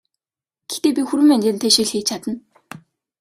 Гэхдээ би хүрэн манжинтай шөл хийж чадна!